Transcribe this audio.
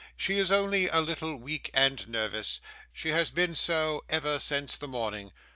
'She is only a little weak and nervous; she has been so ever since the morning.